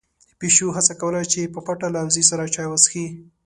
پيشو هڅه کوله چې په پټه له وزې سره چای وڅښي.